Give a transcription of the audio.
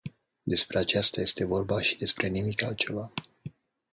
Despre aceasta este vorba și despre nimic altceva.